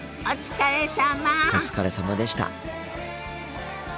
お疲れさまでした。